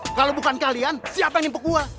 kalau bukan kalian siapa yang nipuk gue